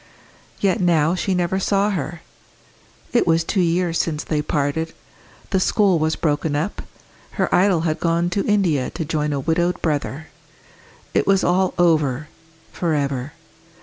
Yet now she never saw her. It was two years since they parted; the school was broken up; her idol had gone to India to join a widowed brother. It was all over for ever.